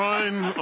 あ。